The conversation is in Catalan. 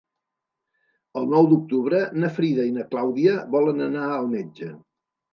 El nou d'octubre na Frida i na Clàudia volen anar al metge.